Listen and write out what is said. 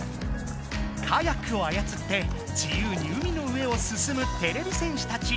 カヤックをあやつって自由に海の上をすすむてれび戦士たち。